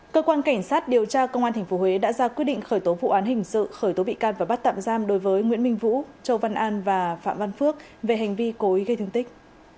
cơ quan cảnh sát điều tra công an tp huế đã ra quyết định khởi tố vụ án hình sự khởi tố bị can và bắt tạm giam đối với nguyễn minh vũ châu văn an và phạm văn phước về hành vi cố ý gây thương tích